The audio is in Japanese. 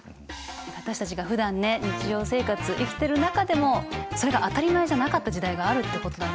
私たちがふだんね日常生活生きてる中でもそれが当たり前じゃなかった時代があるってことだね！